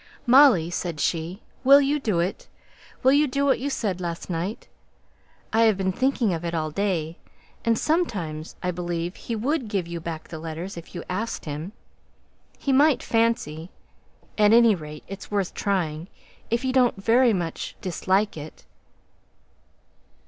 "Molly," said she, "will you do it? Will you do what you said last night? I've been thinking of it all day, and sometimes I believe he would give you back the letters if you asked him; he might fancy at any rate it's worth trying, if you don't very much dislike it."